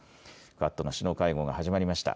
クアッドの首脳会合が始まりました。